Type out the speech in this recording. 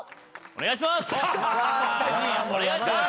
お願いします。